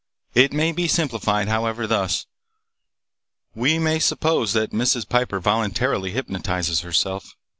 It may be simplified, however, thus: We may suppose that Mrs. Piper voluntarily hypnotizes herself.